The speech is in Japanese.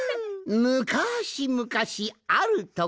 むかしむかしあるところに。